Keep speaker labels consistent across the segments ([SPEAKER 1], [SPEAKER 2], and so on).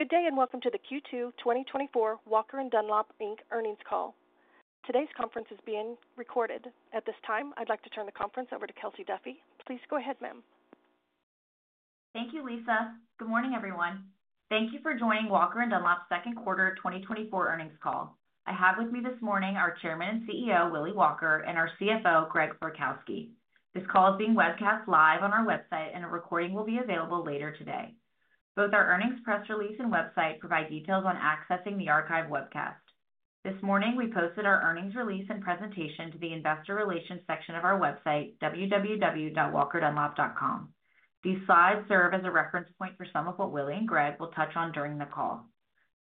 [SPEAKER 1] Good day, and welcome to the Q2 2024 Walker & Dunlop Inc. earnings call. Today's conference is being recorded. At this time, I'd like to turn the conference over to Kelsey Duffey. Please go ahead, ma'am.
[SPEAKER 2] Thank you, Lisa. Good morning, everyone. Thank you for joining Walker & Dunlop's second quarter 2024 earnings call. I have with me this morning our chairman and CEO, Willie Walker, and our CFO, Greg Florkowski. This call is being webcast live on our website, and a recording will be available later today. Both our earnings press release and website provide details on accessing the archive webcast. This morning, we posted our earnings release and presentation to the investor relations section of our website, www.walkerdunlop.com. These slides serve as a reference point for some of what Willie and Greg will touch on during the call.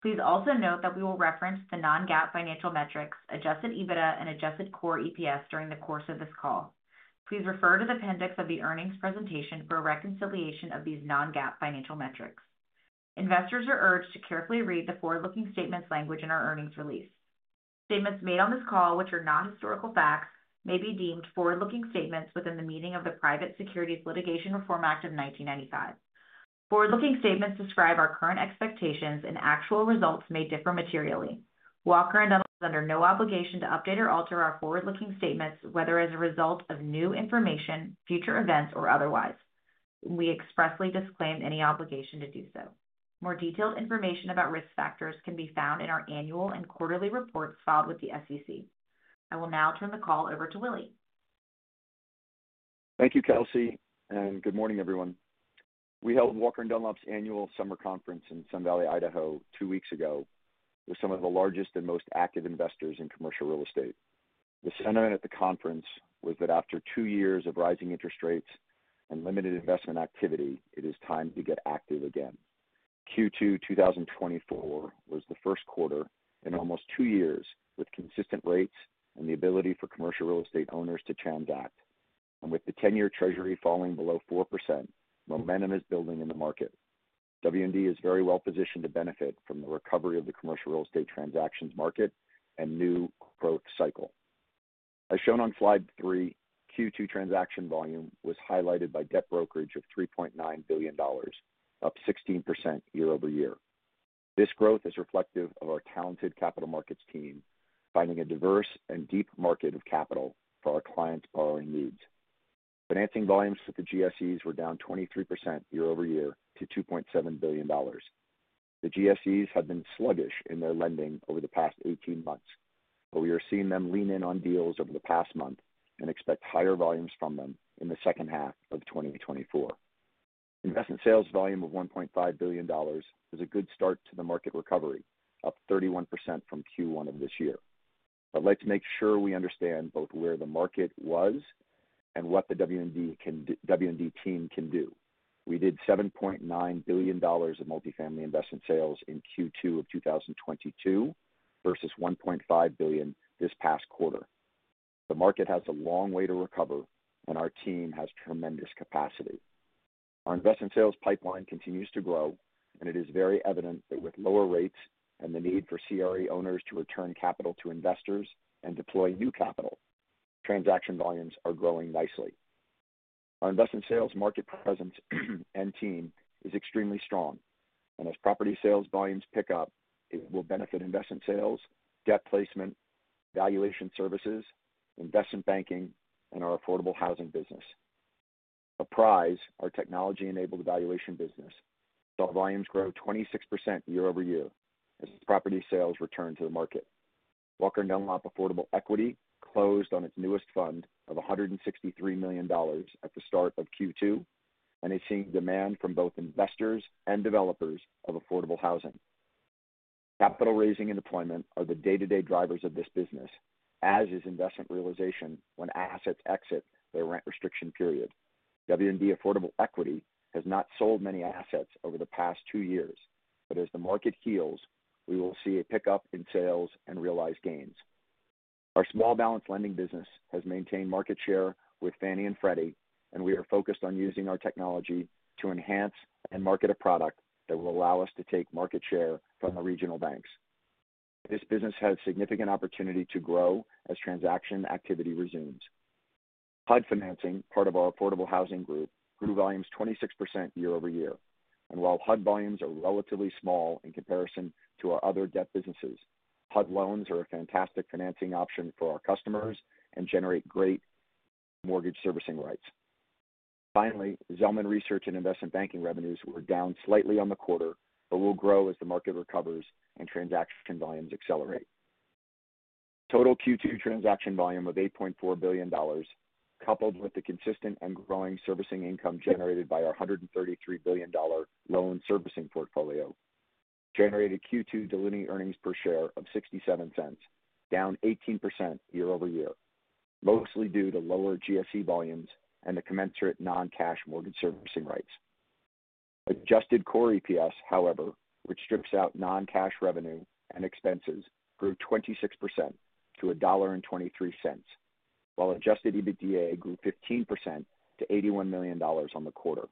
[SPEAKER 2] Please also note that we will reference the non-GAAP financial metrics, Adjusted EBITDA and Adjusted Core EPS during the course of this call. Please refer to the appendix of the earnings presentation for a reconciliation of these non-GAAP financial metrics. Investors are urged to carefully read the forward-looking statements language in our earnings release. Statements made on this call, which are not historical facts, may be deemed forward-looking statements within the meaning of the Private Securities Litigation Reform Act of 1995. Forward-looking statements describe our current expectations and actual results may differ materially. Walker & Dunlop is under no obligation to update or alter our forward-looking statements, whether as a result of new information, future events, or otherwise. We expressly disclaim any obligation to do so. More detailed information about risk factors can be found in our annual and quarterly reports filed with the SEC. I will now turn the call over to Willie.
[SPEAKER 3] Thank you, Kelsey, and good morning, everyone. We held Walker & Dunlop's annual summer conference in Sun Valley, Idaho, two weeks ago with some of the largest and most active investors in commercial real estate. The sentiment at the conference was that after two years of rising interest rates and limited investment activity, it is time to get active again. Q2 2024 was the first quarter in almost two years, with consistent rates and the ability for commercial real estate owners to transact. With the 10-year Treasury falling below 4%, momentum is building in the market. W&D is very well positioned to benefit from the recovery of the commercial real estate transactions market and new growth cycle. As shown on slide 3, Q2 transaction volume was highlighted by debt brokerage of $3.9 billion, up 16% year-over-year. This growth is reflective of our talented capital markets team finding a diverse and deep market of capital for our clients' borrowing needs. Financing volumes at the GSEs were down 23% year-over-year to $2.7 billion. The GSEs have been sluggish in their lending over the past 18 months, but we are seeing them lean in on deals over the past month and expect higher volumes from them in the second half of 2024. Investment sales volume of $1.5 billion is a good start to the market recovery, up 31% from Q1 of this year. I'd like to make sure we understand both where the market was and what the W&D can do-- W&D team can do. We did $7.9 billion in multifamily investment sales in Q2 of 2022 versus $1.5 billion this past quarter. The market has a long way to recover and our team has tremendous capacity. Our investment sales pipeline continues to grow, and it is very evident that with lower rates and the need for CRE owners to return capital to investors and deploy new capital, transaction volumes are growing nicely. Our investment sales market presence and team is extremely strong, and as property sales volumes pick up, it will benefit investment sales, debt placement, valuation services, investment banking and our affordable housing business. Apprise, our technology-enabled valuation business, saw volumes grow 26% year-over-year as property sales return to the market. Walker & Dunlop Affordable Equity closed on its newest fund of $163 million at the start of Q2, and is seeing demand from both investors and developers of affordable housing. Capital raising and deployment are the day-to-day drivers of this business, as is investment realization when assets exit their rent restriction period. W&D Affordable Equity has not sold many assets over the past two years, but as the market heals, we will see a pickup in sales and realized gains. Our small balance lending business has maintained market share with Fannie and Freddie, and we are focused on using our technology to enhance and market a product that will allow us to take market share from the regional banks. This business has significant opportunity to grow as transaction activity resumes. HUD Financing, part of our affordable housing group, grew volumes 26% year-over-year. While HUD volumes are relatively small in comparison to our other debt businesses, HUD loans are a fantastic financing option for our customers and generate great mortgage servicing rights. Finally, Zelman research and investment banking revenues were down slightly on the quarter, but will grow as the market recovers and transaction volumes accelerate. Total Q2 transaction volume of $8.4 billion, coupled with the consistent and growing servicing income generated by our $133 billion loan servicing portfolio, generated Q2 diluted earnings per share of $0.67, down 18% year-over-year, mostly due to lower GSE volumes and the commensurate non-cash mortgage servicing rights. Adjusted Core EPS, however, which strips out non-cash revenue and expenses, grew 26% to $1.23, while Adjusted EBITDA grew 15% to $81 million on the quarter.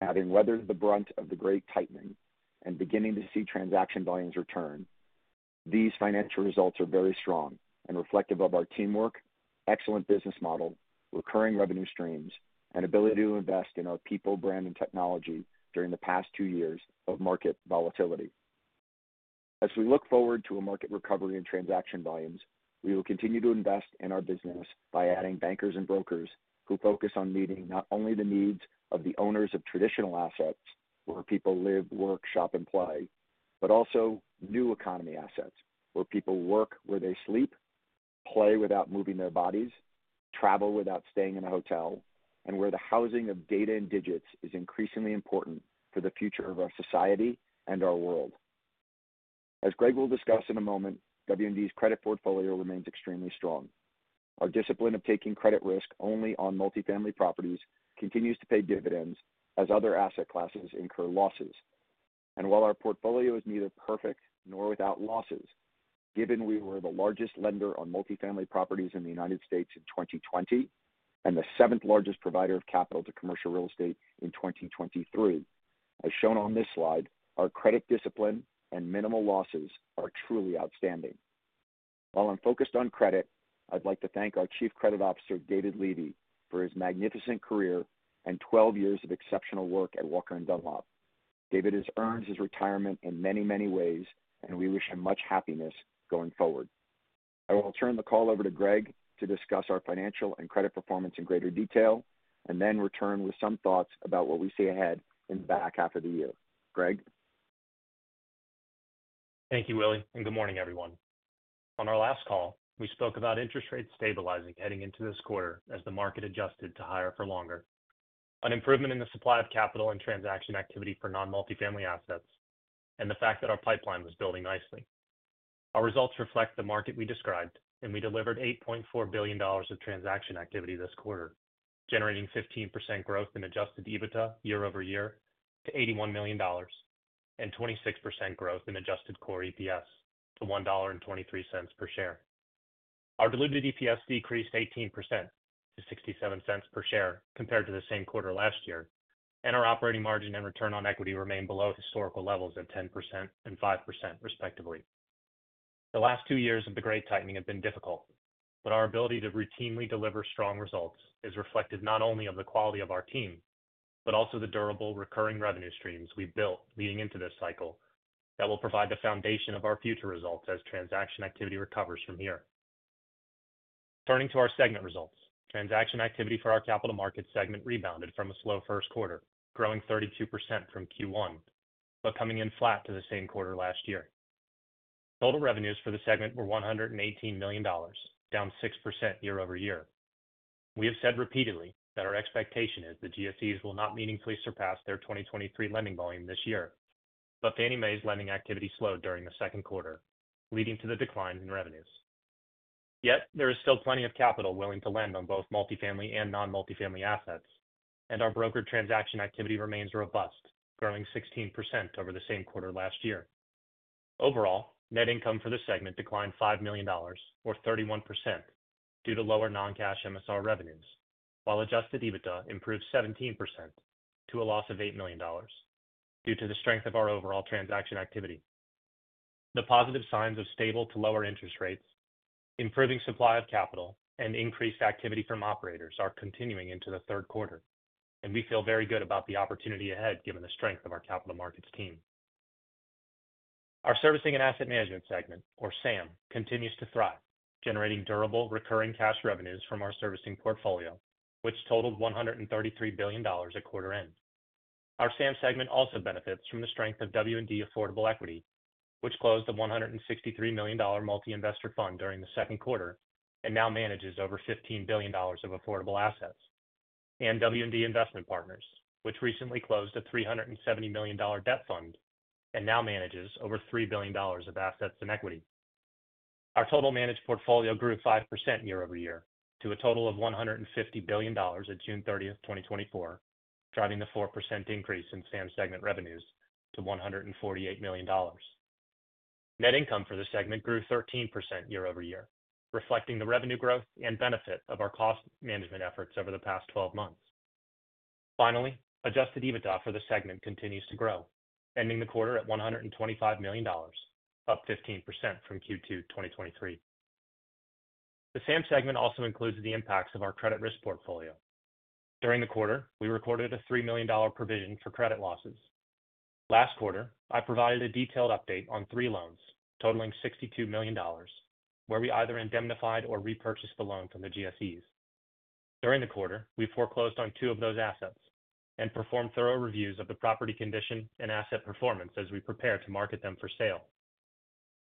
[SPEAKER 3] Having weathered the brunt of the great tightening and beginning to see transaction volumes return. These financial results are very strong and reflective of our teamwork, excellent business model, recurring revenue streams, and ability to invest in our people, brand, and technology during the past two years of market volatility. As we look forward to a market recovery and transaction volumes, we will continue to invest in our business by adding bankers and brokers who focus on meeting not only the needs of the owners of traditional assets, where people live, work, shop, and play, but also new economy assets, where people work, where they sleep, play without moving their bodies, travel without staying in a hotel, and where the housing of data and digits is increasingly important for the future of our society and our world. As Greg will discuss in a moment, W&D's credit portfolio remains extremely strong. Our discipline of taking credit risk only on multifamily properties continues to pay dividends as other asset classes incur losses. And while our portfolio is neither perfect nor without losses, given we were the largest lender on multifamily properties in the United States in 2020, and the seventh largest provider of capital to commercial real estate in 2023. As shown on this slide, our credit discipline and minimal losses are truly outstanding. While I'm focused on credit, I'd like to thank our Chief Credit Officer, David Levy, for his magnificent career and 12 years of exceptional work at Walker & Dunlop. David has earned his retirement in many, many ways, and we wish him much happiness going forward. I will turn the call over to Greg to discuss our financial and credit performance in greater detail, and then return with some thoughts about what we see ahead in the back half of the year. Greg?
[SPEAKER 4] Thank you, Willie, and good morning, everyone. On our last call, we spoke about interest rates stabilizing heading into this quarter as the market adjusted to higher for longer. An improvement in the supply of capital and transaction activity for non-multifamily assets, and the fact that our pipeline was building nicely. Our results reflect the market we described, and we delivered $8.4 billion of transaction activity this quarter, generating 15% growth in adjusted EBITDA year over year to $81 million, and 26% growth in adjusted core EPS to $1.23 per share. Our diluted EPS decreased 18% to $0.67 per share compared to the same quarter last year, and our operating margin and return on equity remain below historical levels at 10% and 5%, respectively. The last two years of rate tightening have been difficult, but our ability to routinely deliver strong results is reflected not only in the quality of our team, but also the durable recurring revenue streams we've built leading into this cycle that will provide the foundation of our future results as transaction activity recovers from here. Turning to our segment results. Transaction activity for our capital markets segment rebounded from a slow first quarter, growing 32% from Q1, but coming in flat to the same quarter last year. Total revenues for the segment were $118 million, down 6% year over year. We have said repeatedly that our expectation is the GSEs will not meaningfully surpass their 2023 lending volume this year, but Fannie Mae's lending activity slowed during the second quarter, leading to the decline in revenues. Yet there is still plenty of capital willing to lend on both multifamily and non-multifamily assets, and our brokered transaction activity remains robust, growing 16% over the same quarter last year. Overall, net income for the segment declined $5 million, or 31%, due to lower non-cash MSR revenues, while Adjusted EBITDA improved 17% to a loss of $8 million due to the strength of our overall transaction activity. The positive signs of stable to lower interest rates, improving supply of capital, and increased activity from operators are continuing into the third quarter, and we feel very good about the opportunity ahead, given the strength of our capital markets team. Our servicing and asset management segment, or SAM, continues to thrive, generating durable, recurring cash revenues from our servicing portfolio, which totaled $133 billion at quarter end. Our SAM segment also benefits from the strength of W&D Affordable Equity, which closed a $163 million multi-investor fund during the second quarter and now manages over $15 billion of affordable assets. W&D Investment Partners, which recently closed a $370 million debt fund and now manages over $3 billion of assets and equity. Our total managed portfolio grew 5% year-over-year to a total of $150 billion at June 30, 2024, driving the 4% increase in SAM segment revenues to $148 million. Net income for the segment grew 13% year-over-year, reflecting the revenue growth and benefit of our cost management efforts over the past 12 months. Finally, Adjusted EBITDA for the segment continues to grow, ending the quarter at $125 million, up 15% from Q2 2023. The SAM segment also includes the impacts of our credit risk portfolio. During the quarter, we recorded a $3 million provision for credit losses. Last quarter, I provided a detailed update on three loans totaling $62 million, where we either indemnified or repurchased the loan from the GSEs. During the quarter, we foreclosed on two of those assets and performed thorough reviews of the property condition and asset performance as we prepare to market them for sale.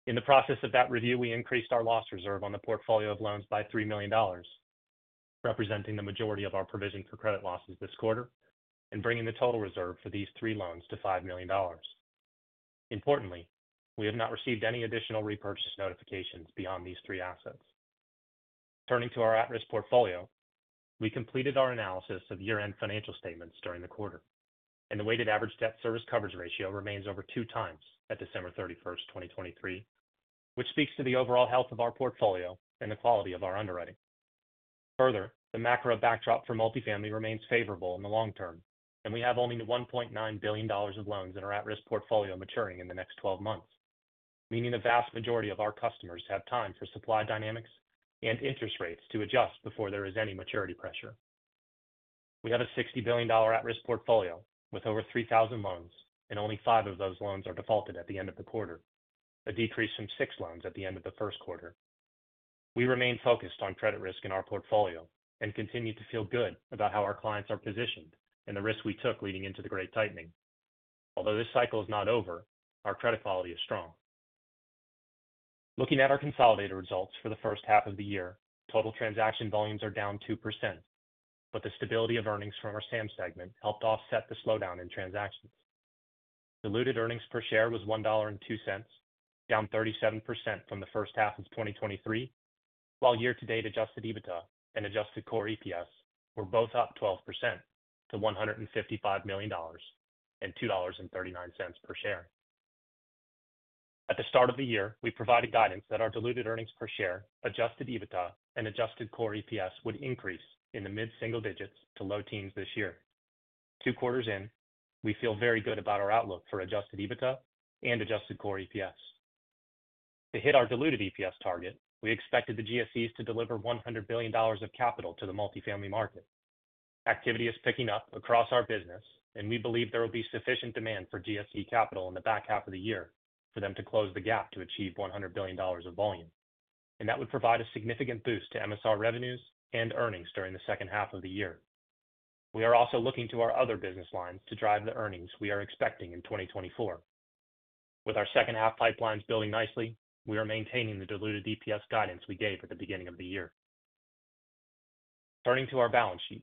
[SPEAKER 4] In the process of that review, we increased our loss reserve on the portfolio of loans by $3 million, representing the majority of our provision for credit losses this quarter and bringing the total reserve for these three loans to $5 million. Importantly, we have not received any additional repurchase notifications beyond these 3 assets. Turning to our at-risk portfolio, we completed our analysis of year-end financial statements during the quarter, and the weighted average Debt Service Coverage Ratio remains over 2 times at December 31, 2023, which speaks to the overall health of our portfolio and the quality of our underwriting. Further, the macro backdrop for multifamily remains favorable in the long term, and we have only $1.9 billion of loans in our at-risk portfolio maturing in the next 12 months, meaning the vast majority of our customers have time for supply dynamics and interest rates to adjust before there is any maturity pressure. We have a $60 billion at-risk portfolio with over 3,000 loans, and only five of those loans are defaulted at the end of the quarter, a decrease from six loans at the end of the first quarter. We remain focused on credit risk in our portfolio and continue to feel good about how our clients are positioned and the risk we took leading into the great tightening. Although this cycle is not over, our credit quality is strong. Looking at our consolidated results for the first half of the year, total transaction volumes are down 2%, but the stability of earnings from our SAM segment helped offset the slowdown in transactions. Diluted earnings per share was $1.02, down 37% from the first half of 2023, while year-to-date adjusted EBITDA and adjusted core EPS were both up 12% to $155 million and $2.39 per share. At the start of the year, we provided guidance that our diluted earnings per share, adjusted EBITDA and adjusted core EPS would increase in the mid-single digits to low teens this year. Two quarters in, we feel very good about our outlook for adjusted EBITDA and adjusted core EPS. To hit our diluted EPS target, we expected the GSEs to deliver $100 billion of capital to the multifamily market. Activity is picking up across our business, and we believe there will be sufficient demand for GSE capital in the back half of the year for them to close the gap to achieve $100 billion of volume, and that would provide a significant boost to MSR revenues and earnings during the second half of the year. We are also looking to our other business lines to drive the earnings we are expecting in 2024. With our second half pipelines building nicely, we are maintaining the diluted EPS guidance we gave at the beginning of the year. Turning to our balance sheet.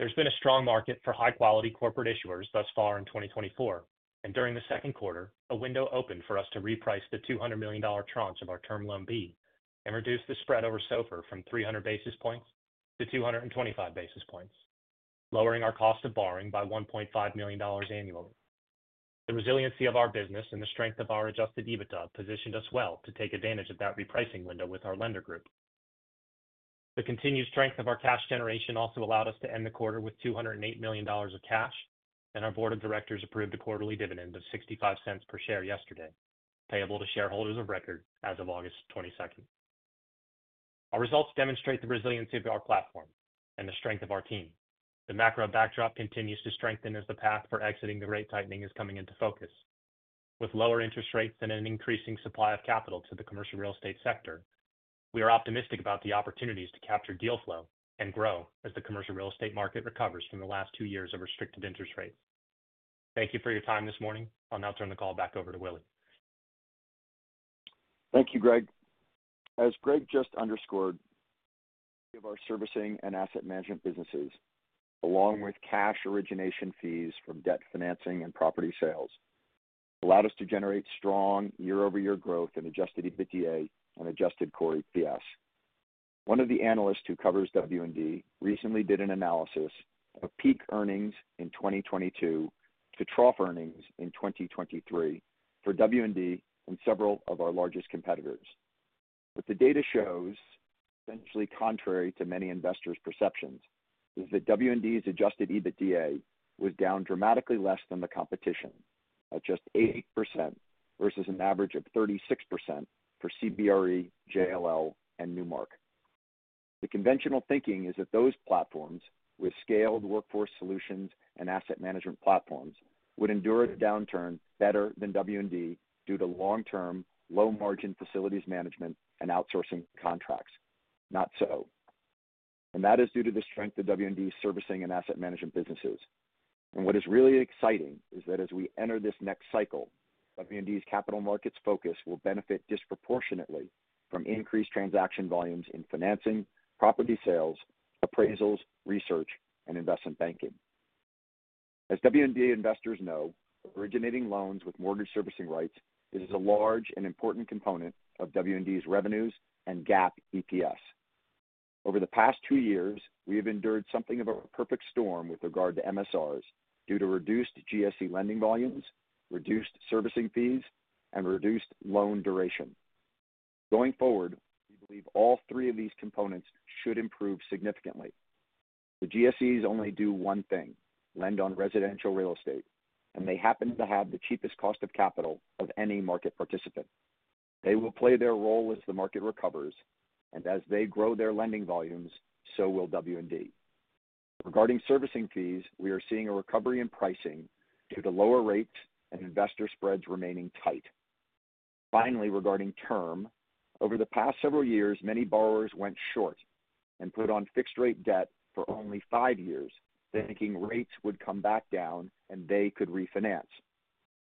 [SPEAKER 4] There's been a strong market for high-quality corporate issuers thus far in 2024, and during the second quarter, a window opened for us to reprice the $200 million tranches of our Term Loan B and reduce the spread over SOFR from 300 basis points to 225 basis points, lowering our cost of borrowing by $1.5 million annually. The resiliency of our business and the strength of our adjusted EBITDA positioned us well to take advantage of that repricing window with our lender group. The continued strength of our cash generation also allowed us to end the quarter with $208 million of cash, and our board of directors approved a quarterly dividend of $0.65 per share yesterday, payable to shareholders of record as of August 22nd. Our results demonstrate the resiliency of our platform and the strength of our team. The macro backdrop continues to strengthen as the path for exiting the rate tightening is coming into focus. With lower interest rates and an increasing supply of capital to the commercial real estate sector, we are optimistic about the opportunities to capture deal flow and grow as the commercial real estate market recovers from the last two years of restricted interest rates. Thank you for your time this morning. I'll now turn the call back over to Willie.
[SPEAKER 3] Thank you, Greg. As Greg just underscored, of our servicing and asset management businesses, along with cash origination fees from debt financing and property sales, allowed us to generate strong year-over-year growth in Adjusted EBITDA and Adjusted Core EPS. One of the analysts who covers W&D recently did an analysis of peak earnings in 2022 to trough earnings in 2023 for W&D and several of our largest competitors. What the data shows, essentially contrary to many investors' perceptions, is that W&D's Adjusted EBITDA was down dramatically less than the competition at just 8% versus an average of 36% for CBRE, JLL and Newmark. The conventional thinking is that those platforms, with scaled workforce solutions and asset management platforms, would endure a downturn better than W&D due to long-term, low-margin facilities management and outsourcing contracts. Not so. That is due to the strength of W&D's servicing and asset management businesses. What is really exciting is that as we enter this next cycle, W&D's capital markets focus will benefit disproportionately from increased transaction volumes in financing, property sales, appraisals, research, and investment banking. As W&D investors know, originating loans with mortgage servicing rights is a large and important component of W&D's revenues and GAAP EPS. Over the past two years, we have endured something of a perfect storm with regard to MSRs due to reduced GSE lending volumes, reduced servicing fees, and reduced loan duration. Going forward, we believe all three of these components should improve significantly. The GSEs only do one thing: lend on residential real estate, and they happen to have the cheapest cost of capital of any market participant. They will play their role as the market recovers, and as they grow their lending volumes, so will W&D. Regarding servicing fees, we are seeing a recovery in pricing due to lower rates and investor spreads remaining tight. Finally, regarding term, over the past several years, many borrowers went short and put on fixed-rate debt for only 5 years, thinking rates would come back down and they could refinance.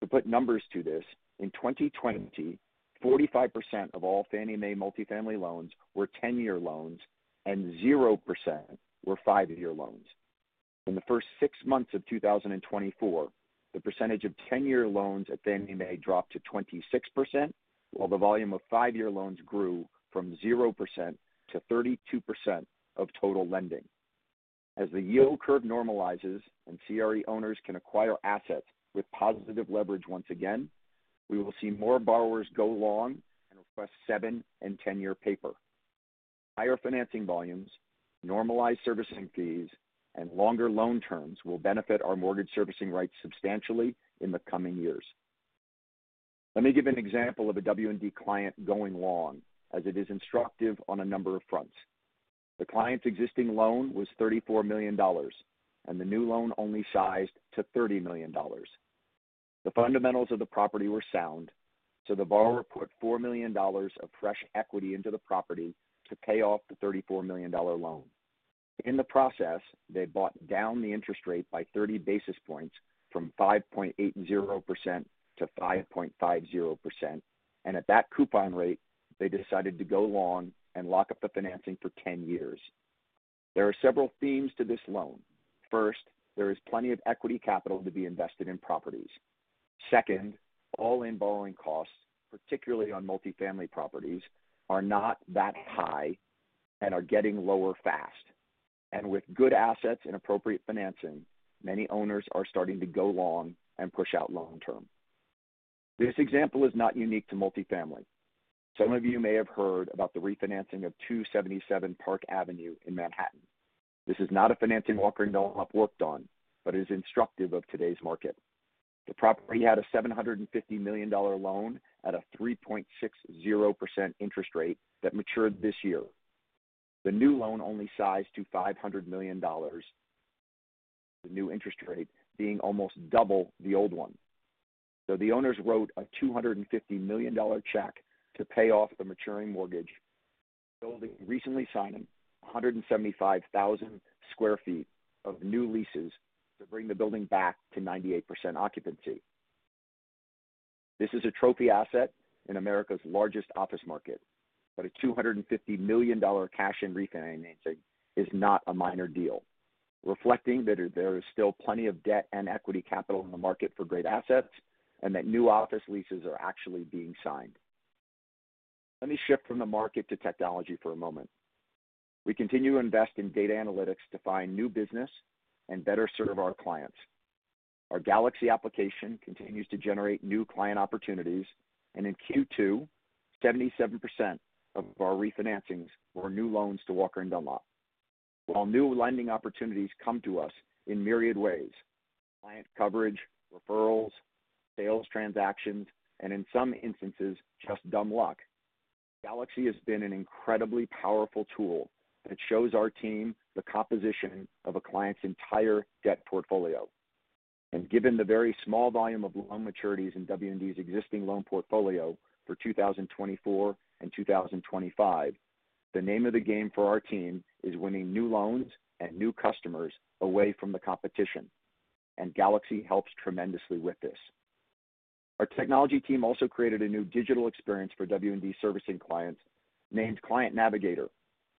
[SPEAKER 3] To put numbers to this, in 2020, 45% of all Fannie Mae multifamily loans were 10-year loans and 0% were 5-year loans. In the first six months of 2024, the percentage of 10-year loans at Fannie Mae dropped to 26%, while the volume of five-year loans grew from 0% to 32% of total lending. As the yield curve normalizes and CRE owners can acquire assets with positive leverage once again, we will see more borrowers go long and request 7- and 10-year paper. Higher financing volumes, normalized servicing fees, and longer loan terms will benefit our mortgage servicing rights substantially in the coming years. Let me give an example of a W&D client going long, as it is instructive on a number of fronts. The client's existing loan was $34 million, and the new loan only sized to $30 million. The fundamentals of the property were sound, so the borrower put $4 million of fresh equity into the property to pay off the $34 million loan. In the process, they bought down the interest rate by 30 basis points from 5.80% to 5.50%, and at that coupon rate, they decided to go long and lock up the financing for 10 years. There are several themes to this loan. First, there is plenty of equity capital to be invested in properties. Second, all-in borrowing costs, particularly on multifamily properties, are not that high and are getting lower fast. And with good assets and appropriate financing, many owners are starting to go long and push out long term. This example is not unique to multifamily. Some of you may have heard about the refinancing of 277 Park Avenue in Manhattan. This is not a financing Walker & Dunlop worked on, but is instructive of today's market. The property had a $750 million loan at a 3.60% interest rate that matured this year. The new loan only sized to $500 million, the new interest rate being almost double the old one. So the owners wrote a $250 million check to pay off the maturing mortgage, building recently signing 175,000 sq ft of new leases to bring the building back to 98% occupancy. This is a trophy asset in America's largest office market, but a $250 million cash-in refinancing is not a minor deal. Reflecting that there is still plenty of debt and equity capital in the market for great assets, and that new office leases are actually being signed. Let me shift from the market to technology for a moment. We continue to invest in data analytics to find new business and better serve our clients. Our Galaxy application continues to generate new client opportunities, and in Q2, 77% of our refinancings were new loans to Walker & Dunlop. While new lending opportunities come to us in myriad ways, client coverage, referrals, sales transactions, and in some instances, just dumb luck. Galaxy has been an incredibly powerful tool that shows our team the composition of a client's entire debt portfolio. Given the very small volume of loan maturities in W&D's existing loan portfolio for 2024 and 2025, the name of the game for our team is winning new loans and new customers away from the competition, and Galaxy helps tremendously with this. Our technology team also created a new digital experience for W&D servicing clients, named Client Navigator,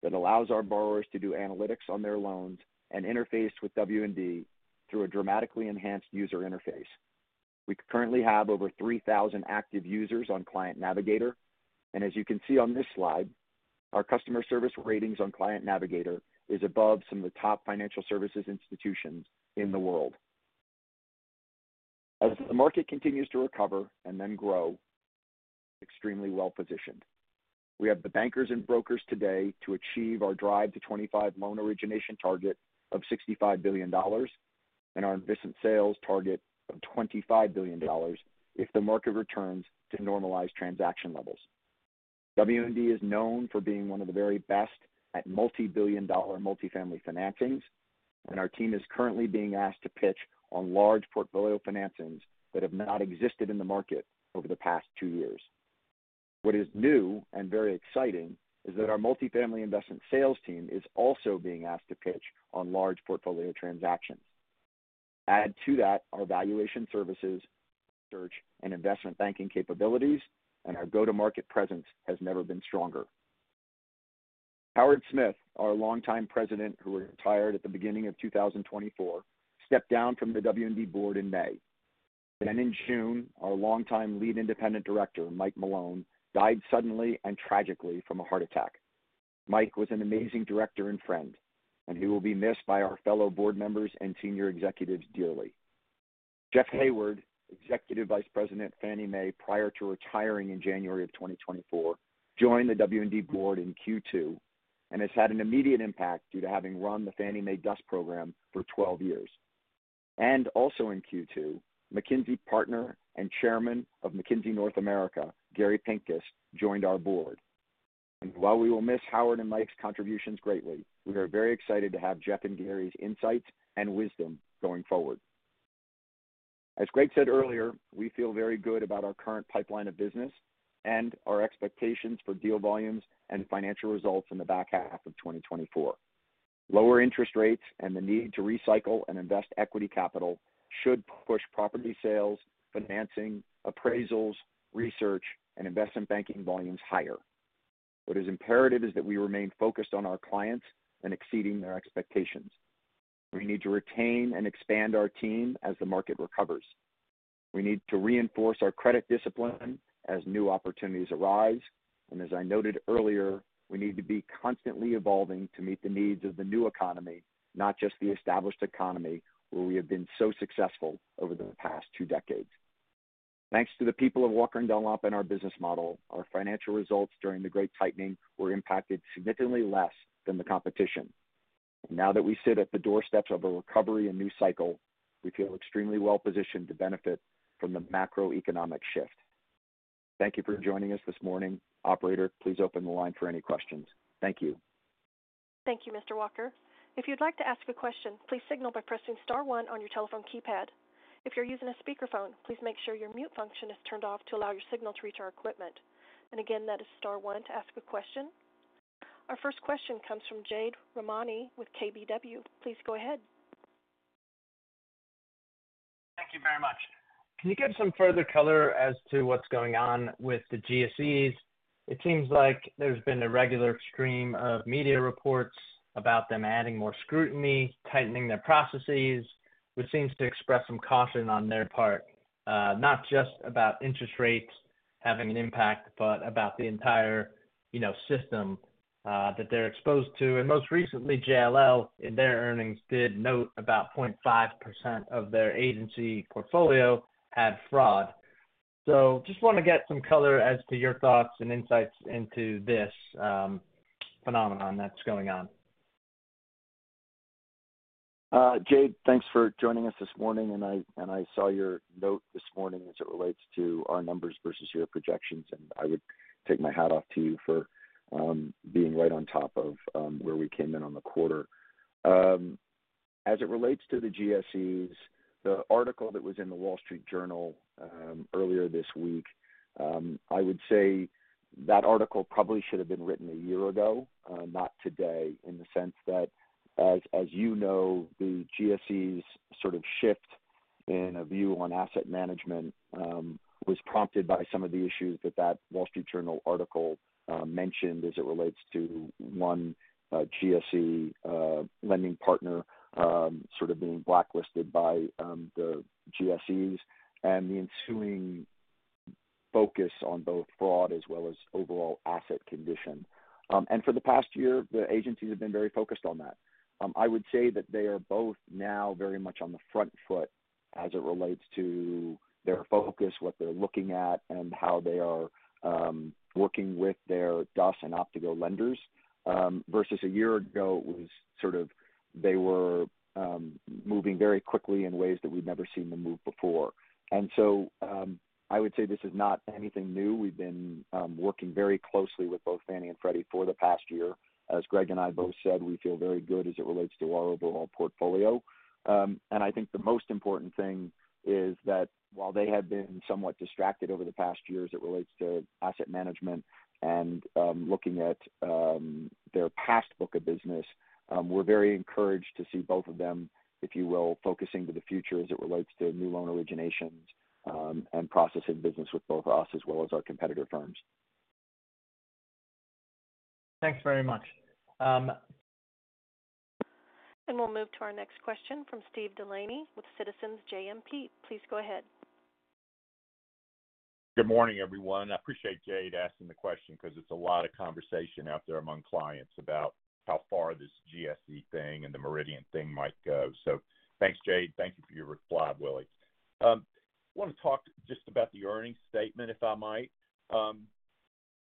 [SPEAKER 3] that allows our borrowers to do analytics on their loans and interface with W&D through a dramatically enhanced user interface. We currently have over 3,000 active users on Client Navigator, and as you can see on this slide, our customer service ratings on Client Navigator is above some of the top financial services institutions in the world. As the market continues to recover and then grow, extremely well-positioned. We have the bankers and brokers today to achieve our Drive to '25 loan origination target of $65 billion and our investment sales target of $25 billion, if the market returns to normalized transaction levels. W&D is known for being one of the very best at multibillion-dollar multifamily financings, and our team is currently being asked to pitch on large portfolio financings that have not existed in the market over the past two years. What is new and very exciting is that our multifamily investment sales team is also being asked to pitch on large portfolio transactions. Add to that our valuation services, research, and investment banking capabilities, and our go-to-market presence has never been stronger. Howard Smith, our longtime president, who retired at the beginning of 2024, stepped down from the W&D board in May. Then in June, our longtime lead independent director, Mike Malone, died suddenly and tragically from a heart attack. Mike was an amazing director and friend, and he will be missed by our fellow board members and senior executives dearly. Jeffery Hayward, Executive Vice President at Fannie Mae, prior to retiring in January 2024, joined the W&D board in Q2 and has had an immediate impact due to having run the Fannie Mae DUS program for 12 years. Also in Q2, McKinsey Partner and Chairman of McKinsey North America, Gary Pinkus, joined our board. And while we will miss Howard and Mike's contributions greatly, we are very excited to have Jeff and Gary's insights and wisdom going forward. As Greg said earlier, we feel very good about our current pipeline of business and our expectations for deal volumes and financial results in the back half of 2024. Lower interest rates and the need to recycle and invest equity capital should push property sales, financing, appraisals, research, and investment banking volumes higher. What is imperative is that we remain focused on our clients and exceeding their expectations. We need to retain and expand our team as the market recovers. We need to reinforce our credit discipline as new opportunities arise. And as I noted earlier, we need to be constantly evolving to meet the needs of the new economy, not just the established economy, where we have been so successful over the past two decades. Thanks to the people of Walker & Dunlop and our business model, our financial results during the great tightening were impacted significantly less than the competition. Now that we sit at the doorsteps of a recovery and new cycle, we feel extremely well-positioned to benefit from the macroeconomic shift. Thank you for joining us this morning. Operator, please open the line for any questions. Thank you.
[SPEAKER 1] Thank you, Mr. Walker. If you'd like to ask a question, please signal by pressing star one on your telephone keypad. If you're using a speakerphone, please make sure your mute function is turned off to allow your signal to reach our equipment. And again, that is star one to ask a question. Our first question comes from Jade Rahmani with KBW. Please go ahead.
[SPEAKER 5] Thank you very much. Can you give some further color as to what's going on with the GSEs? It seems like there's been a regular stream of media reports about them adding more scrutiny, tightening their processes, which seems to express some caution on their part, not just about interest rates having an impact, but about the entire, you know, system, that they're exposed to. And most recently, JLL, in their earnings, did note about 0.5% of their agency portfolio had fraud. So just want to get some color as to your thoughts and insights into this phenomenon that's going on.
[SPEAKER 3] Jade, thanks for joining us this morning, and I saw your note this morning as it relates to our numbers versus your projections, and I would take my hat off to you for being right on top of where we came in on the quarter. As it relates to the GSEs, the article that was in The Wall Street Journal earlier this week, I would say that article probably should have been written a year ago, not today, in the sense that, as you know, the GSEs sort of shift in a view on asset management was prompted by some of the issues that Wall Street Journal article mentioned as it relates to one GSE lending partner sort of being blacklisted by the GSEs and the ensuing focus on both fraud as well as overall asset condition. And for the past year, the agencies have been very focused on that. I would say that they are both now very much on the front foot as it relates to their focus, what they're looking at, and how they are working with their DUS and agency lenders. Versus a year ago, it was sort of they were moving very quickly in ways that we've never seen them move before. And so, I would say this is not anything new. We've been working very closely with both Fannie and Freddie for the past year. As Greg and I both said, we feel very good as it relates to our overall portfolio. I think the most important thing is that while they have been somewhat distracted over the past year as it relates to asset management and looking at their past book of business, we're very encouraged to see both of them, if you will, focusing to the future as it relates to new loan originations and processing business with both us as well as our competitor firms.
[SPEAKER 5] Thanks very much.
[SPEAKER 1] We'll move to our next question from Steve Delaney with Citizens JMP. Please go ahead.
[SPEAKER 6] Good morning, everyone. I appreciate Jade asking the question because it's a lot of conversation out there among clients about how far this GSE thing and the Meridian thing might go. So thanks, Jade. Thank you for your reply, Willie. I want to talk just about the earnings statement, if I might.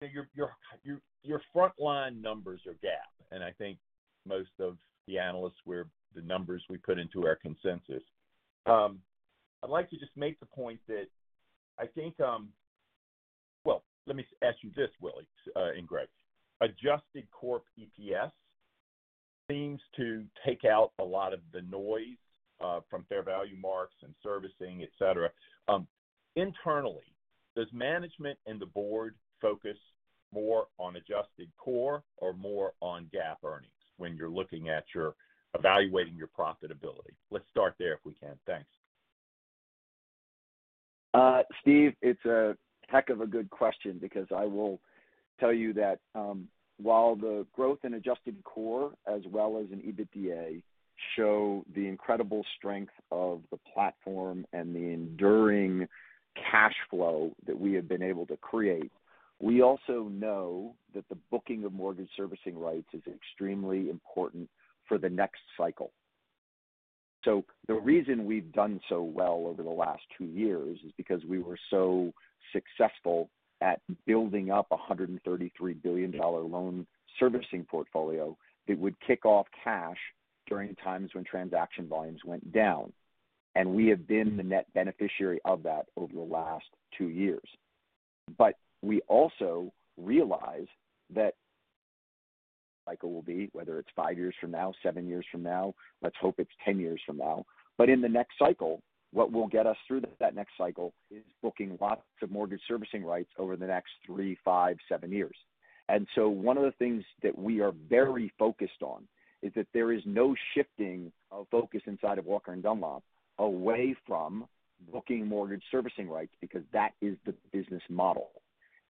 [SPEAKER 6] Your frontline numbers are GAAP, and I think most of the analysts were the numbers we put into our consensus. I'd like to just make the point that I think. Well, let me ask you this, Willie, and Greg. Adjusted Core EPS seems to take out a lot of the noise from fair value marks and servicing, et cetera. Internally, does management and the board focus more on Adjusted Core or more on GAAP earnings when you're looking at your evaluating your profitability? Let's start there if we can. Thanks.
[SPEAKER 3] Steve, it's a heck of a good question because I will tell you that, while the growth in adjusted core as well as in EBITDA, show the incredible strength of the platform and the enduring cash flow that we have been able to create. We also know that the booking of mortgage servicing rights is extremely important for the next cycle. So the reason we've done so well over the last 2 years is because we were so successful at building up a $133 billion loan servicing portfolio that would kick off cash during times when transaction volumes went down. And we have been the net beneficiary of that over the last 2 years. But we also realize that cycle will be, whether it's 5 years from now, 7 years from now, let's hope it's 10 years from now. But in the next cycle, what will get us through that next cycle is booking lots of mortgage servicing rights over the next 3, 5, 7 years. And so one of the things that we are very focused on is that there is no shifting of focus inside of Walker & Dunlop away from booking mortgage servicing rights, because that is the business model.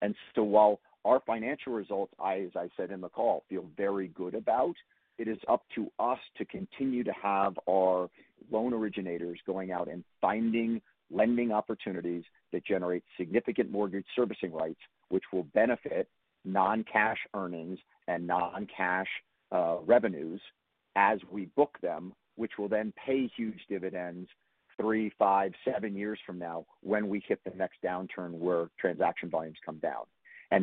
[SPEAKER 3] And so while our financial results, I, as I said in the call, feel very good about, it is up to us to continue to have our loan originators going out and finding lending opportunities that generate significant mortgage servicing rights, which will benefit non-cash earnings and non-cash revenues as we book them, which will then pay huge dividends 3, 5, 7 years from now when we hit the next downturn where transaction volumes come down.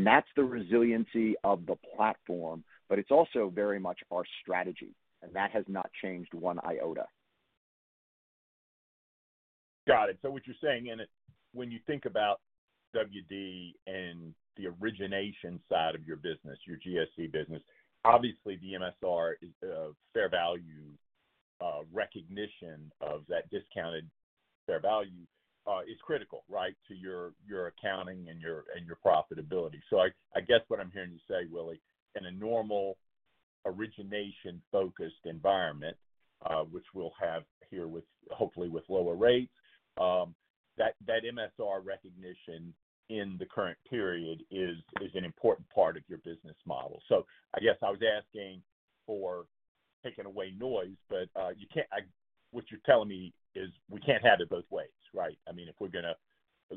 [SPEAKER 3] That's the resiliency of the platform, but it's also very much our strategy, and that has not changed one iota.
[SPEAKER 6] Got it. So what you're saying, and when you think about WD and the origination side of your business, your GSE business, obviously the MSR is a fair value recognition of that discounted fair value is critical, right, to your accounting and your profitability. So I guess what I'm hearing you say, Willie, in a normal origination-focused environment, which we'll have here with, hopefully with lower rates, that MSR recognition in the current period is an important part of your business model. So I guess I was asking for taking away noise, but you can't, what you're telling me is we can't have it both ways, right? I mean, if we're going to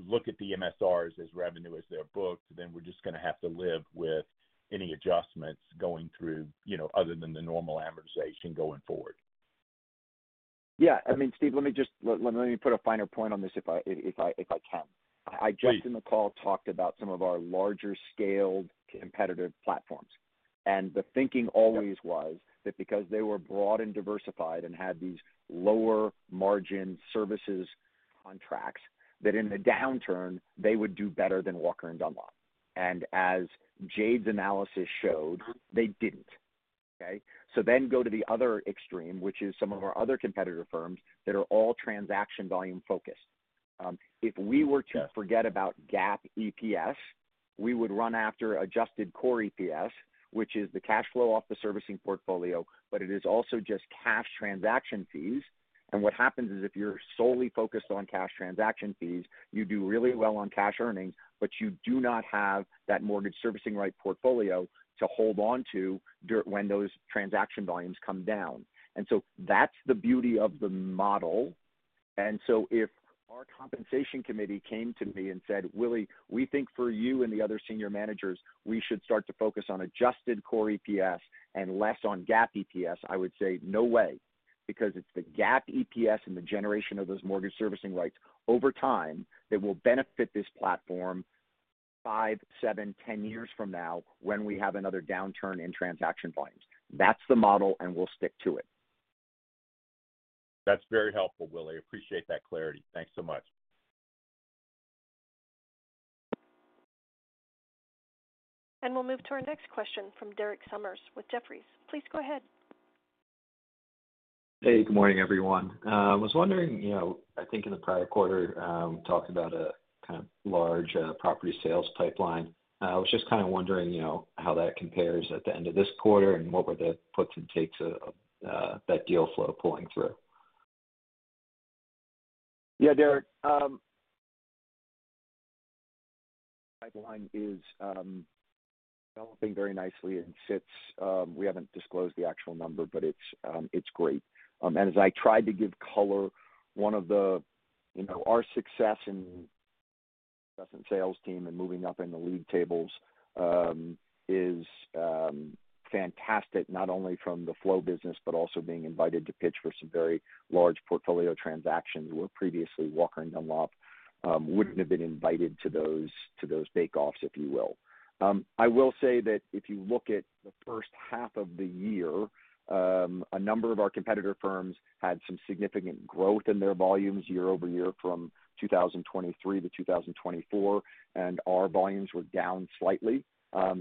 [SPEAKER 6] look at the MSRs as revenue as they're booked, then we're just going to have to live with any adjustments going through, you know, other than the normal amortization going forward.
[SPEAKER 3] Yeah. I mean, Steve, let me just put a finer point on this if I can.
[SPEAKER 6] Please.
[SPEAKER 3] I just, in the call, talked about some of our larger-scaled competitive platforms. The thinking always was that because they were broad and diversified and had these lower margin services contracts, that in a downturn, they would do better than Walker & Dunlop. As Jade's analysis showed, they didn't. Okay? So then go to the other extreme, which is some of our other competitor firms that are all transaction volume-focused. If we were to forget about GAAP EPS, we would run after Adjusted Core EPS, which is the cash flow off the servicing portfolio, but it is also just cash transaction fees. What happens is, if you're solely focused on cash transaction fees, you do really well on cash earnings, but you do not have that mortgage servicing right portfolio to hold on to when those transaction volumes come down. And so that's the beauty of the model. And so if our compensation committee came to me and said, "Willie, we think for you and the other senior managers, we should start to focus on Adjusted Core EPS and less on GAAP EPS," I would say, "No way," because it's the GAAP EPS and the generation of those mortgage servicing rights over time that will benefit this platform 5, 7, 10 years from now when we have another downturn in transaction volumes. That's the model, and we'll stick to it.
[SPEAKER 6] That's very helpful, Willie. I appreciate that clarity. Thanks so much.
[SPEAKER 1] We'll move to our next question from Derek Sommers with Jefferies. Please go ahead.
[SPEAKER 7] Hey, good morning, everyone. I was wondering, you know, I think in the prior quarter, talked about a kind of large property sales pipeline. I was just kind of wondering, you know, how that compares at the end of this quarter and what were the puts and takes of that deal flow pulling through?
[SPEAKER 3] Yeah, Derek, pipeline is developing very nicely, and since we haven't disclosed the actual number, but it's, it's great. And as I tried to give color, one of the, you know, our success in investment sales team and moving up in the league tables is fantastic, not only from the flow business, but also being invited to pitch for some very large portfolio transactions, where previously, Walker & Dunlop wouldn't have been invited to those, to those bake-offs, if you will. I will say that if you look at the first half of the year, a number of our competitor firms had some significant growth in their volumes year-over-year from 2023 to 2024, and our volumes were down slightly.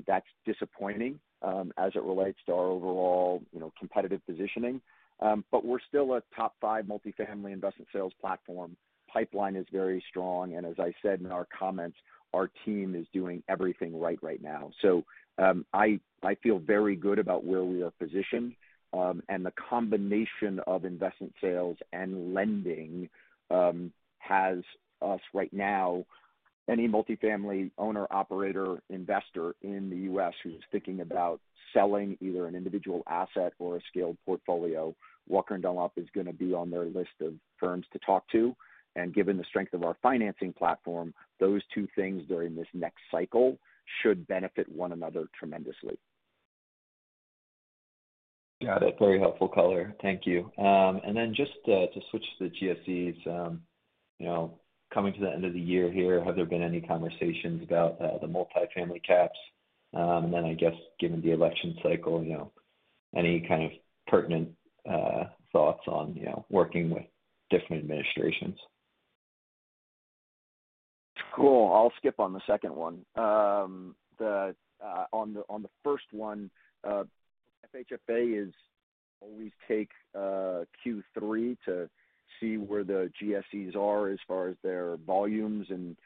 [SPEAKER 3] That's disappointing, as it relates to our overall, you know, competitive positioning. But we're still a top five multifamily investment sales platform. Pipeline is very strong, and as I said in our comments, our team is doing everything right, right now. So, I feel very good about where we are positioned, and the combination of investment sales and lending has us right now, any multifamily owner, operator, investor in the U.S. who is thinking about selling either an individual asset or a scaled portfolio, Walker & Dunlop is going to be on their list of firms to talk to. And given the strength of our financing platform, those two things during this next cycle should benefit one another tremendously.
[SPEAKER 7] Got it. Very helpful color. Thank you. And then just to switch to the GSEs, you know, coming to the end of the year here, have there been any conversations about the multifamily caps? And then, I guess, given the election cycle, you know, any kind of pertinent thoughts on, you know, working with different administrations?
[SPEAKER 3] Cool. I'll skip on the second one. On the first one, FHFA is always take Q3 to see where the GSEs are as far as their volumes and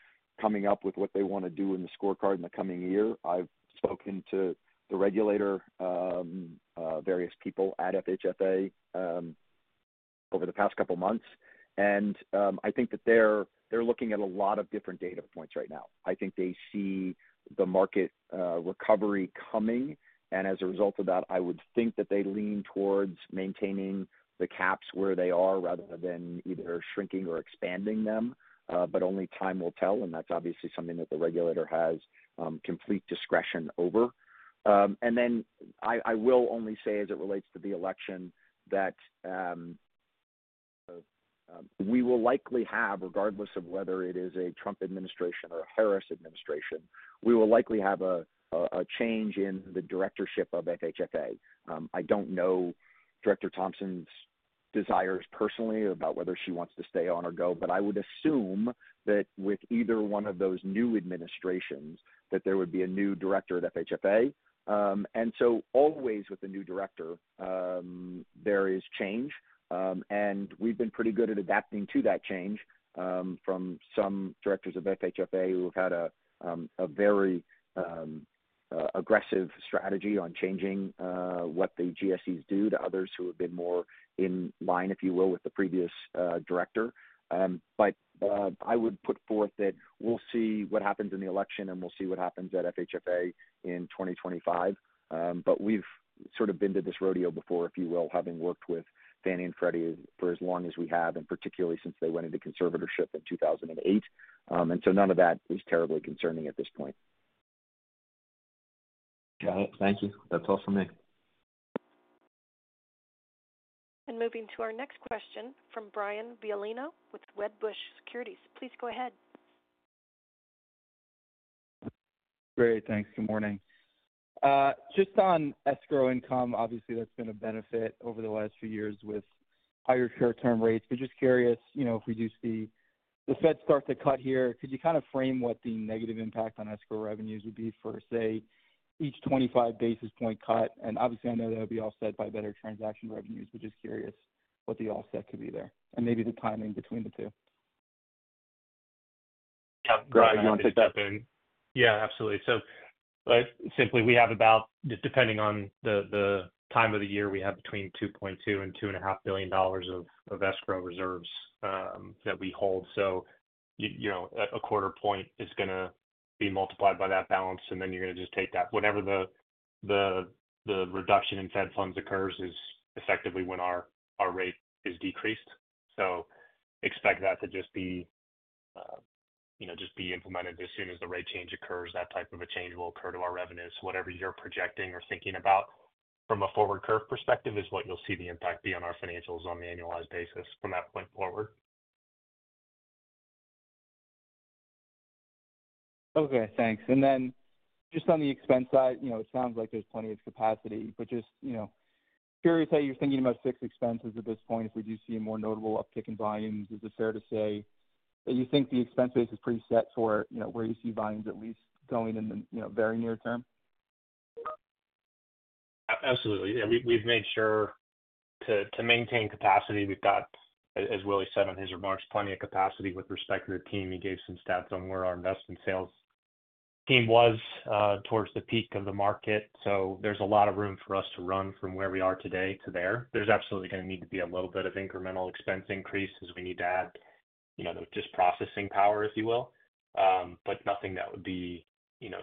[SPEAKER 3] coming up with what they want to do in the scorecard in the coming year. I've spoken to the regulator, various people at FHFA, over the past couple months, and I think that they're looking at a lot of different data points right now. I think they see the market recovery coming, and as a result of that, I would think that they lean towards maintaining the caps where they are, rather than either shrinking or expanding them. But only time will tell, and that's obviously something that the regulator has complete discretion over. And then I will only say, as it relates to the election, that we will likely have, regardless of whether it is a Trump administration or a Harris administration, we will likely have a change in the directorship of FHFA. I don't know Director Thompson's desires personally about whether she wants to stay on or go, but I would assume that with either one of those new administrations, that there would be a new director at FHFA. And so always with the new director, there is change. And we've been pretty good at adapting to that change, from some directors of FHFA who have had a very aggressive strategy on changing what the GSEs do, to others who have been more in line, if you will, with the previous director. But, I would put forth that we'll see what happens in the election, and we'll see what happens at FHFA in 2025. But we've sort of been to this rodeo before, if you will, having worked with Fannie and Freddie for as long as we have, and particularly since they went into conservatorship in 2008. And so none of that is terribly concerning at this point.
[SPEAKER 7] Got it. Thank you. That's all for me.
[SPEAKER 1] Moving to our next question from Brian Violino with Wedbush Securities. Please go ahead.
[SPEAKER 8] Great, thanks. Good morning. Just on escrow income. Obviously, that's been a benefit over the last few years with higher short-term rates. But just curious, you know, if we do see the Fed start to cut here, could you kind of frame what the negative impact on escrow revenues would be for, say, each 25 basis point cut? And obviously, I know that would be offset by better transaction revenues, but just curious what the offset could be there, and maybe the timing between the two.
[SPEAKER 3] Yeah, Greg, you want to take that?
[SPEAKER 4] Yeah, absolutely. So simply, we have about, just depending on the time of the year, we have between $2.2 billion and $2.5 billion of escrow reserves that we hold. So you know, a quarter point is going to be multiplied by that balance, and then you're going to just take that. Whenever the reduction in Fed funds occurs is effectively when our rate is decreased. So expect that to just be, you know, just be implemented as soon as the rate change occurs. That type of a change will occur to our revenues. Whatever you're projecting or thinking about from a forward curve perspective, is what you'll see the impact be on our financials on an annualized basis from that point forward.
[SPEAKER 8] Okay, thanks. And then just on the expense side, you know, it sounds like there's plenty of capacity, but just, you know, curious how you're thinking about fixed expenses at this point. If we do see a more notable uptick in volumes, is it fair to say that you think the expense base is pretty set for, you know, where you see volumes at least going in the, you know, very near term?
[SPEAKER 4] Absolutely. Yeah, we've made sure to maintain capacity. We've got, as Willie said in his remarks, plenty of capacity with respect to our team. He gave some stats on where our investment sales team was towards the peak of the market. So there's a lot of room for us to run from where we are today to there. There's absolutely going to need to be a little bit of incremental expense increase, as we need to add, you know, just processing power, if you will. But nothing that would be, you know,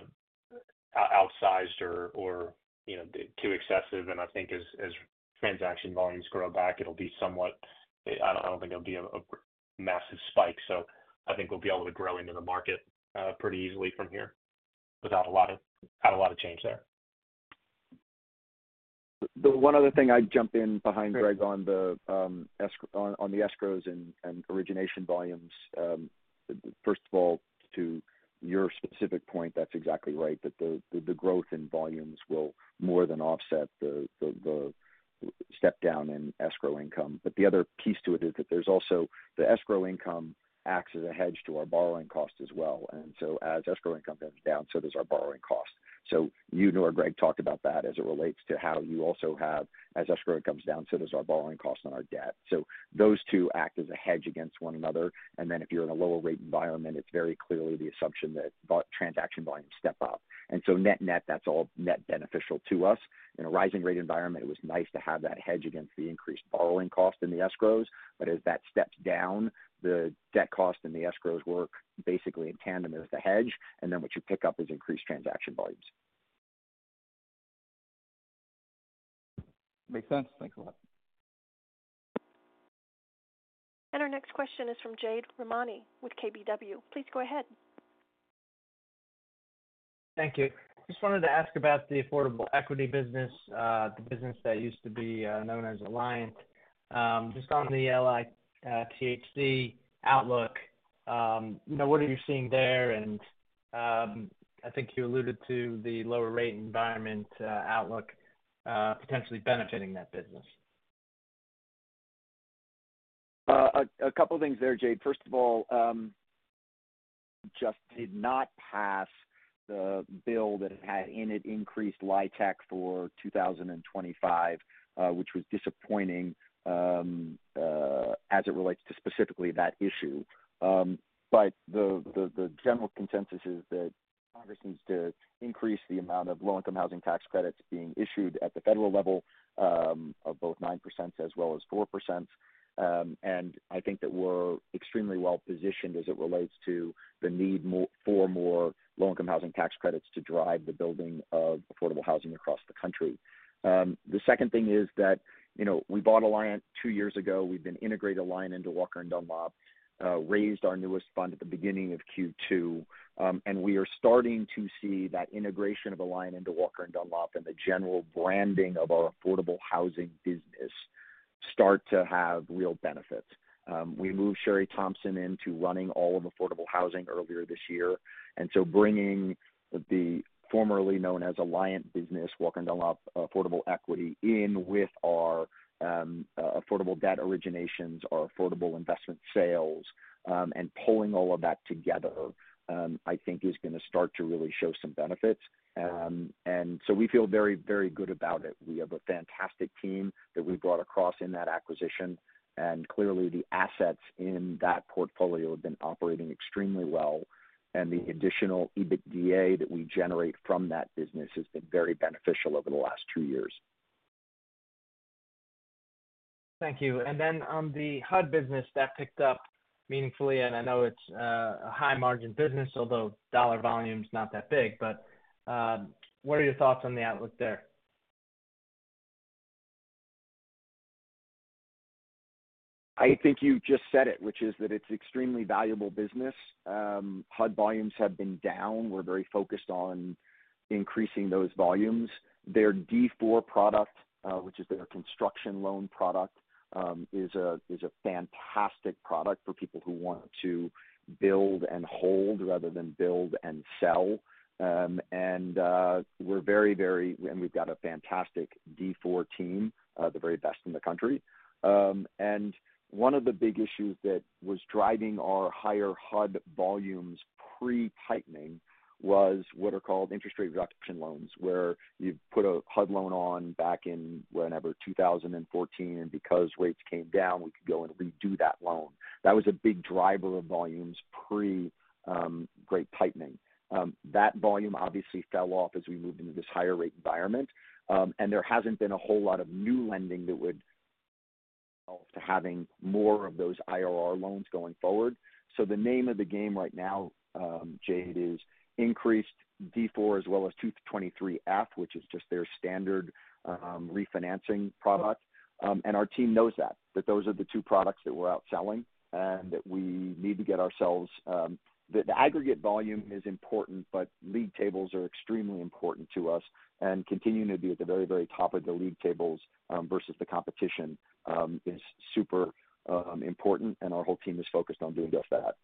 [SPEAKER 4] outsized or, or, you know, too excessive. And I think as transaction volumes grow back, it'll be somewhat. I don't think it'll be a massive spike, so I think we'll be able to grow into the market pretty easily from here without a lot of change there.
[SPEAKER 3] The one other thing I'd jump in behind Greg on the escrows and origination volumes. First of all, to your specific point, that's exactly right, that the growth in volumes will more than offset the step down in escrow income. But the other piece to it is that there's also the escrow income acts as a hedge to our borrowing costs as well. And so as escrow income comes down, so does our borrowing costs. So you know, Greg talked about that as it relates to how you also have, as escrow income comes down, so does our borrowing costs on our debt. So those two act as a hedge against one another. And then if you're in a lower rate environment, it's very clearly the assumption that both transaction volumes step up. So net-net, that's all net beneficial to us. In a rising rate environment, it was nice to have that hedge against the increased borrowing cost in the escrows, but as that steps down, the debt cost and the escrows work basically in tandem as the hedge, and then what you pick up is increased transaction volumes.
[SPEAKER 8] Makes sense. Thanks a lot.
[SPEAKER 1] Our next question is from Jade Rahmani with KBW. Please go ahead.
[SPEAKER 5] Thank you. Just wanted to ask about the affordable equity business, the business that used to be known as Alliant. Just on the LIHTC outlook, you know, what are you seeing there? And, I think you alluded to the lower rate environment outlook, potentially benefiting that business.
[SPEAKER 3] A couple of things there, Jade. First of all, just did not pass the bill that had in it increased LIHTC for 2025, which was disappointing, as it relates to specifically that issue. But the general consensus is that Congress needs to increase the amount of low-income housing tax credits being issued at the federal level, of both 9% as well as 4%. And I think that we're extremely well-positioned as it relates to the need for more low-income housing tax credits to drive the building of affordable housing across the country. The second thing is that, you know, we bought Alliant two years ago. We've been integrating Alliant into Walker & Dunlop, raised our newest fund at the beginning of Q2, and we are starting to see that integration of Alliant into Walker & Dunlop and the general branding of our affordable housing business start to have real benefits. We moved Sheri Thompson into running all of affordable housing earlier this year, and so bringing the formerly known as Alliant business, Walker & Dunlop Affordable Equity, in with our affordable debt originations, our affordable investment sales, and pulling all of that together, I think is going to start to really show some benefits. And so we feel very, very good about it. We have a fantastic team that we brought across in that acquisition, and clearly, the assets in that portfolio have been operating extremely well, and the additional EBITDA that we generate from that business has been very beneficial over the last two years.
[SPEAKER 5] Thank you. And then on the HUD business, that picked up meaningfully, and I know it's a high-margin business, although dollar volume is not that big, but what are your thoughts on the outlook there?
[SPEAKER 3] I think you just said it, which is that it's extremely valuable business. HUD volumes have been down. We're very focused on increasing those volumes. Their D4 product, which is their construction loan product, is a, is a fantastic product for people who want to build and hold rather than build and sell. And we've got a fantastic D4 team, the very best in the country. And one of the big issues that was driving our higher HUD volumes pre-tightening was what are called interest rate reduction loans, where you put a HUD loan on back in whenever, 2014, and because rates came down, we could go and redo that loan. That was a big driver of volumes pre-rate tightening. That volume obviously fell off as we moved into this higher rate environment, and there hasn't been a whole lot of new lending that would, -to having more of those IRR loans going forward. So the name of the game right now, Jade, is increased D4, as well as 223(f), which is just their standard refinancing product. And our team knows that those are the two products that we're out selling and that we need to get ourselves. The aggregate volume is important, but league tables are extremely important to us, and continuing to be at the very, very top of the league tables versus the competition is super important, and our whole team is focused on doing just that.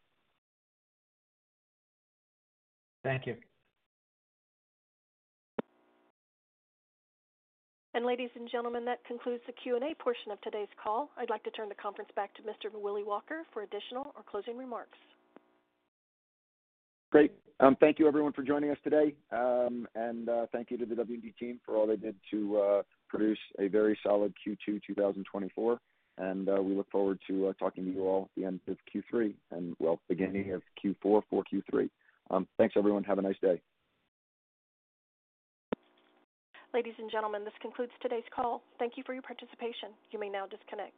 [SPEAKER 5] Thank you.
[SPEAKER 1] Ladies and gentlemen, that concludes the Q&A portion of today's call. I'd like to turn the conference back to Mr. Willie Walker for additional or closing remarks.
[SPEAKER 3] Great. Thank you, everyone, for joining us today. And, thank you to the W&D team for all they did to produce a very solid Q2, 2024. And, we look forward to talking to you all at the end of Q3, and, well, beginning of Q4 for Q3. Thanks, everyone. Have a nice day.
[SPEAKER 1] Ladies and gentlemen, this concludes today's call. Thank you for your participation. You may now disconnect.